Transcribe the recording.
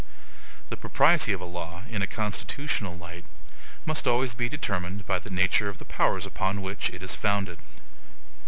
The propriety of a law, in a constitutional light, must always be determined by the nature of the powers upon which it is founded.